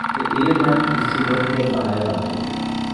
Ihr Ehemann ist jedoch wieder verheiratet.